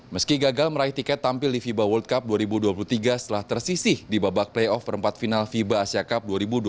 meski gagal meraih tiket tampil di fiba world cup dua ribu dua puluh tiga setelah tersisih di babak playoff perempat final fiba asia cup dua ribu dua puluh tiga